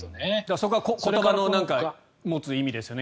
そこは言葉の持つ意味ですよね。